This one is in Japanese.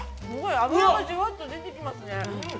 ◆脂がじわっと出てきますね。